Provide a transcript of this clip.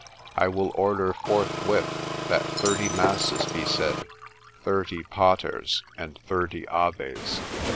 ' I will order forthwith that thirty masses be said, thirty Paters, and thirty Aves.'